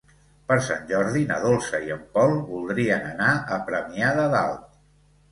Per Sant Jordi na Dolça i en Pol voldrien anar a Premià de Dalt.